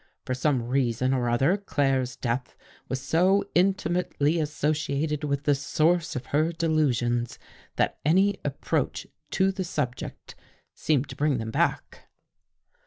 For some reason or other, Claire's death was so intimately associated with the source of her delusions that any approach to the subject seemed to bring them back.